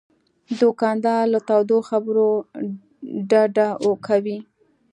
دوکاندار له تودو خبرو ډډه کوي.